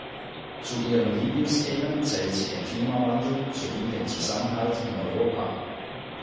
Zu ihren Lieblingsthemen zählt sie den Klimawandel sowie den Zusammenhalt in Europa.